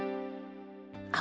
aku beneran penasaran